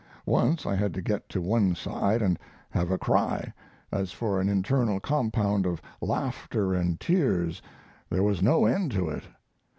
Once I had to get to one side and have a cry, and as for an internal compound of laughter and tears there was no end to it....